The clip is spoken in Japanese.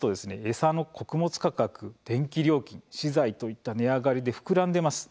餌の穀物価格、電気料金資材といった値上がりで膨らんでいます。